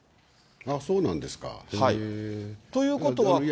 そうなんですか。ということは。